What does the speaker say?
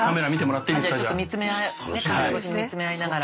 じゃあちょっと見つめ合うねカメラ越しに見つめ合いながら。